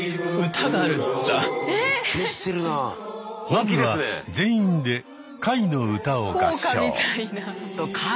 まずは全員で「会の歌」を合唱。